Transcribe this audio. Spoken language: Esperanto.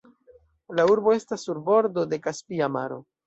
La urbo estas sur bordo de Kaspia Maro.